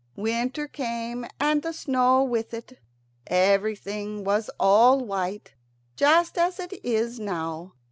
Winter came, and the snow with it. Everything was all white, just as it is now.